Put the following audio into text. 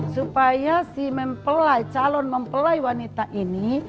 supaya si calon mempelai wanita ini